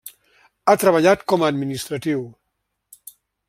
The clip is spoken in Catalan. Ha treballat com a administratiu.